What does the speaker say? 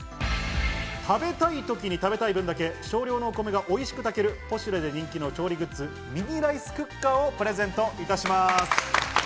食べたい時に食べたい分だけ、少量のお米がおいしく炊ける、ポシュレで人気の調理グッズ、ミニライスクッカーをプレゼントいたします。